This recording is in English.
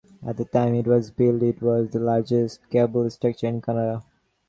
At the time it was built it was the largest cable structure in Canada.